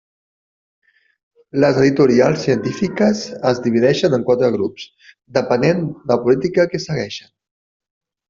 Les editorials científiques es divideixen en quatre grups depenent la política que segueixen.